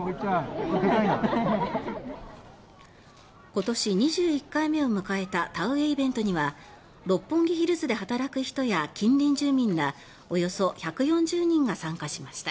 今年２１回目を迎えた田植えイベントには六本木ヒルズで働く人や近隣住民らおよそ１４０人が参加しました。